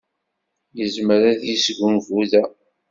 Yezmer ad yesgunfu da.